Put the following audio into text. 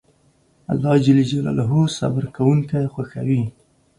الله جل جلاله صبر کونکي خوښوي